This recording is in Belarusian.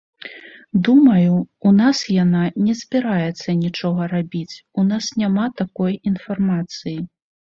Думаю, у нас яна не збіраецца нічога рабіць, у нас няма такой інфармацыі.